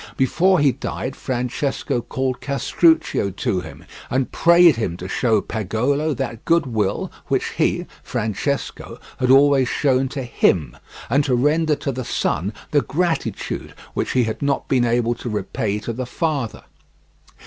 Before he died Francesco called Castruccio to him, and prayed him to show Pagolo that goodwill which he (Francesco) had always shown to HIM, and to render to the son the gratitude which he had not been able to repay to the father.